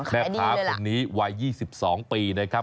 แม่ค้าคนนี้วัย๒๒ปีนะครับ